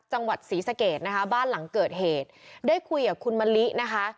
จังหวัดศรีสะเกดนะคะบ้านหลังเกิดเหตุได้คุยกับคุณมะลินะคะ